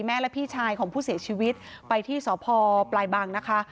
แม่และพี่ชายของผู้เสียชีวิตไปที่สพปลายบังนะคะ